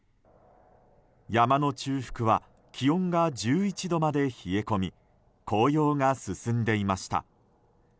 山の中腹は気温が１１度まで冷え込み紅葉が進んでいました。